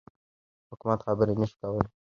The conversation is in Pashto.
حکومت خبري نه شي کولای.